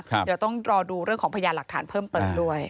เดี๋ยวต้องรอดูเรื่องของพยานหลักฐานเพิ่มเติมด้วย